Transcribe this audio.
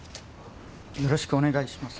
よろしくお願いします。